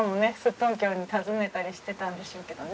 とんきょうに尋ねたりしてたんでしょうけどね。